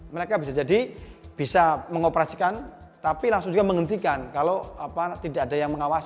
mereka bisa jadi bisa mengoperasikan tapi langsung juga menghentikan kalau tidak ada yang mengawasi